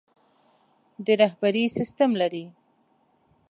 د رهبري سسټم لري.